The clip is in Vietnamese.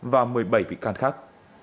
và một mươi bảy vị cát khác